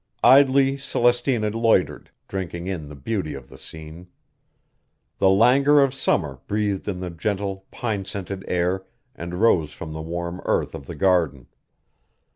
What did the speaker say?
Idly Celestina loitered, drinking in the beauty of the scene. The languor of summer breathed in the gentle, pine scented air and rose from the warm earth of the garden.